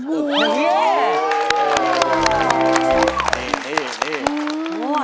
โอ้โห